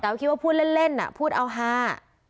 แต่ว่าคิดว่าพูดเล่นเล่นอ่ะพูดเอาห้า